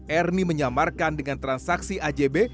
ernie menyamarkan dengan transaksi ajb